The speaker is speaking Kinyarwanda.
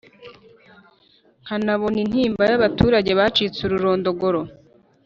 nkanabona intimba y'abaturage bacitse ururondogoro,